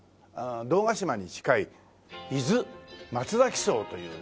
堂ヶ島に近い伊豆まつざき荘というね